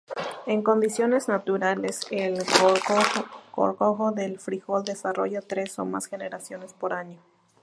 En condiciones naturales, el gorgojo del frijol desarrolla tres o más generaciones por año.